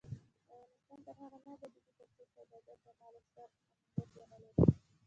افغانستان تر هغو نه ابادیږي، ترڅو سوداګر د مال او سر امنیت ونلري.